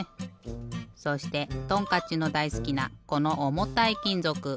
そしてトンカッチのだいすきなこのおもたいきんぞく。